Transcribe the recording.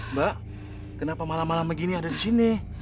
mbak kenapa malam malam begini ada di sini